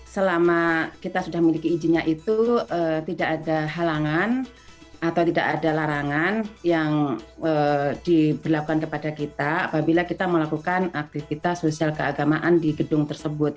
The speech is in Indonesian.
selama kita sudah memiliki izinnya itu tidak ada halangan atau tidak ada larangan yang diberlakukan kepada kita apabila kita melakukan aktivitas sosial keagamaan di gedung tersebut